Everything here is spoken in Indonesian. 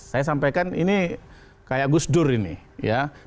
saya sampaikan ini kayak gus dur ini ya